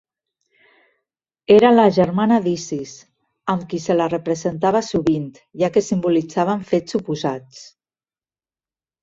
Era la germana d'Isis, amb qui se la representava sovint, ja que simbolitzaven fets oposats.